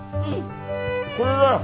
これだよ！